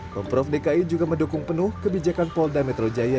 pemprov dki juga mendukung penuh kebijakan polda metro jaya